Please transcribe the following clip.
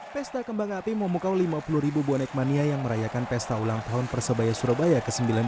pesta kembang api memukau lima puluh ribu bonek mania yang merayakan pesta ulang tahun persebaya surabaya ke sembilan belas